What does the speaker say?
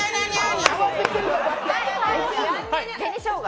紅しょうが？